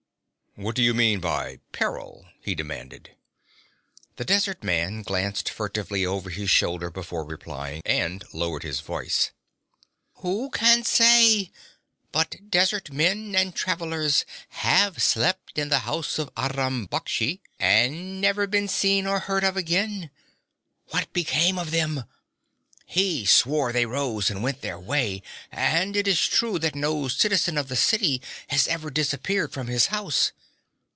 'What do you mean by peril?' he demanded. The desert man glanced furtively over his shoulder before replying, and lowered his voice. 'Who can say? But desert men and travelers have slept in the house of Aram Baksh, and never been seen or heard of again. What became of them? He swore they rose and went their way and it is true that no citizen of the city has ever disappeared from his house.